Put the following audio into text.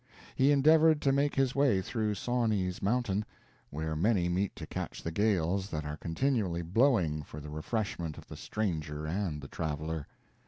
He endeavored to make his way through Sawney's Mountain, where many meet to catch the gales that are continually blowing for the refreshment of the stranger and the traveler.